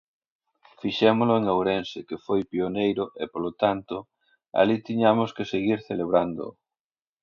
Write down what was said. Fixémolo en Ourense, que foi pioneiro, e, polo tanto, alí tiñamos que seguir celebrándoo.